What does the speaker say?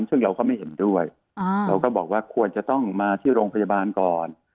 ซึ่งเราก็ไม่เห็นด้วยเราก็บอกว่าควรจะต้องมาที่โรงพยาบาลก่อน